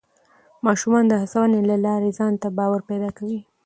ماشومان د هڅونې له لارې ځان ته باور پیدا کوي